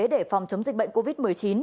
để phòng chống dịch bệnh covid một mươi chín